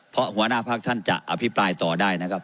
เพราะหัวหน้าพักท่านจะอภิปรายต่อได้นะครับ